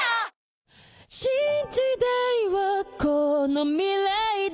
「新時代はこの未来だ」